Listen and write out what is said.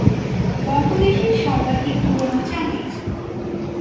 বঙ্গদেশের সর্বাধিক পুরোনো চালি।